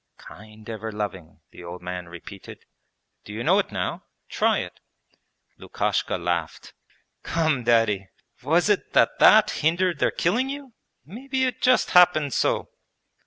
'Kind ever loving,' the old man repeated. 'Do you know it now? Try it.' Lukashka laughed. 'Come, Daddy, was it that that hindered their killing you? Maybe it just happened so!'